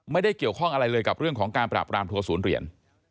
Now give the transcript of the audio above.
ไม่ได้เกี่ยวข้องอะไรเลยกับเรื่องของการปราบรามทัวร์ศูนย์เหรียญ